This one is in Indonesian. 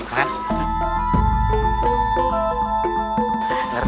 sama hampir m